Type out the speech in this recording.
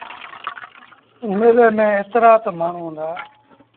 ميلي ميݩ ايترآ تا مآڻهوٚݩ هُݩدآ۔